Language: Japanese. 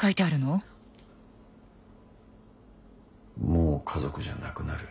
もう家族じゃなくなる。